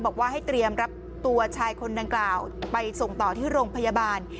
บอกว่าให้เตรียมรับตัวชายคนดังกล่าวไปส่งต่อที่โรงพยาบาล